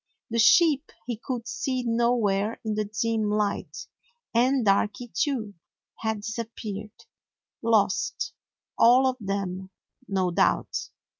The sheep he could see nowhere in the dim light, and Darky, too, had disap peared. Lost, all of them, no doubt.